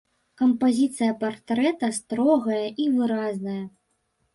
Кампазіцыя партрэта строгая і выразная.